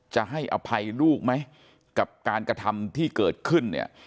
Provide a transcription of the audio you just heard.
จะให้อภัยลูกไหมกับการกระทำที่เกิดขึ้นเนี่ย